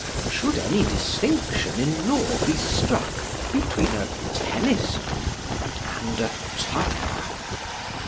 Should any distinction in law be struck between a Tennyson and a Tupper?